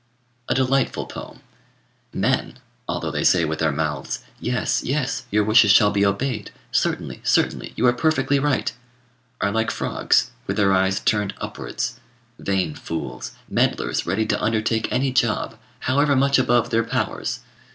A delightful poem! Men, although they say with their mouths, "Yes, yes, your wishes shall be obeyed, certainly, certainly, you are perfectly right," are like frogs, with their eyes turned upwards. Vain fools! meddlers ready to undertake any job, however much above their powers!